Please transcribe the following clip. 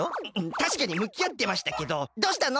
たしかにむきあってましたけど「どうしたの？